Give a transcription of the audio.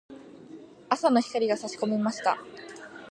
朝の光が差し込みました。